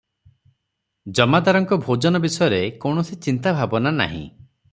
ଜମାଦାରଙ୍କ ଭୋଜନ ବିଷୟରେ କୌଣସି ଚିନ୍ତା ଭାବନା ନାହିଁ ।